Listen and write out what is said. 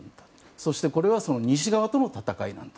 そして、これは西側との戦いなんだ。